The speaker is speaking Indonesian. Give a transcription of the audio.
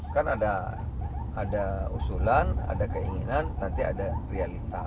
kan ada usulan ada keinginan nanti ada realita